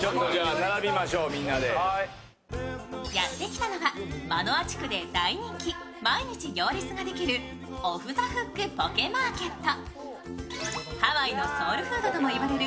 やってきたのは、マノア地区で大人気毎日行列ができるオフ・ザ・フック・ポケ・マーケット。